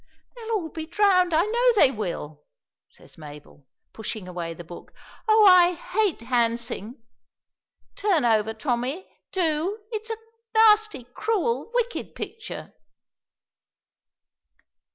"They'll all be drowned, I know they will," says Mabel, pushing away the book. "Oh, I hate 'handsing'; turn over, Tommy, do! It's a nasty cruel, wicked picture!"